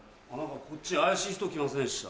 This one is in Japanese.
こっちに怪しい人来ませんでした？